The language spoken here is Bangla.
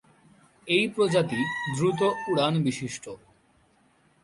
এই প্রজাতি দ্রুত উড়ান বিশিষ্ট।